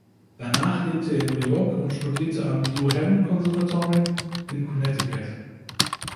Danach lebte er in New York und studierte am "New Haven Conservatory" in Connecticut.